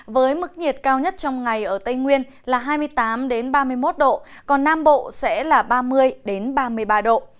với mức nhiệt cao nhất trong ngày ở tây nguyên là hai mươi tám ba mươi một độ còn nam bộ sẽ là ba mươi ba mươi ba độ